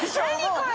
これ。